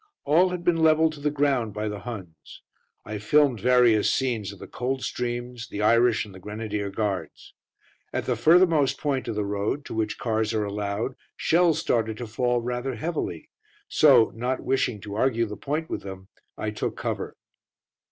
All had been levelled to the ground by the Huns. I filmed various scenes of the Coldstreams, the Irish and the Grenadier Guards. At the furthermost point of the road to which cars are allowed shells started to fall rather heavily, so, not wishing to argue the point with them, I took cover.